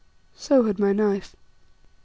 So had my knife. L.